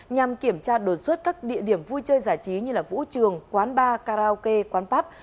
nhằm kiểm tra đột xuất các địa điểm vui chơi giải trí như vũ trường quán bar karaoke quán pắp